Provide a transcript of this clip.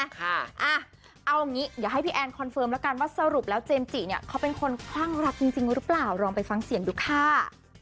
เอาอย่างนี้เดี๋ยวให้พี่แอนคอนเฟิร์มแล้วกันว่าสรุปแล้วเจมส์จิเนี่ยเขาเป็นคนคลั่งรักจริงหรือเปล่าลองไปฟังเสียงดูค่ะ